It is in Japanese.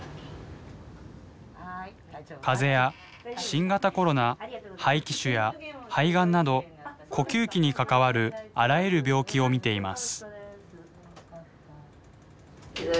風邪や新型コロナ肺気腫や肺がんなど呼吸器に関わるあらゆる病気を診ています。